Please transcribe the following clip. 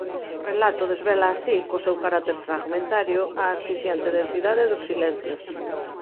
O relato desvela así, co seu carácter fragmentario, a asfixiante densidade dos silencios.